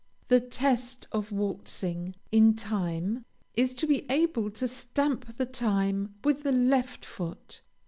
The test of waltzing in time, is to be able to stamp the time with the left foot.